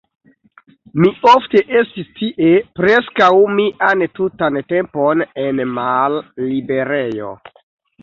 Mi ofte estis tie, preskaŭ mian tutan tempon en malliberejo.